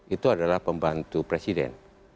itu adalah pembantu presiden